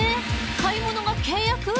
買い物が契約？